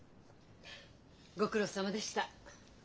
ご苦労さまでした。